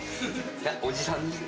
いや、おじさんですね。